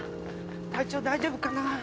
体調大丈夫かな？